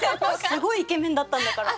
すごいイケメンだったんだから。